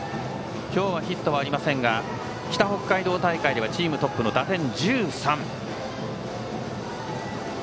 今日はヒットはありませんが北北海道大会ではチームトップの打点１３。